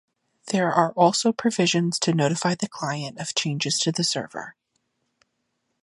There are also provisions to notify the client of changes to the server.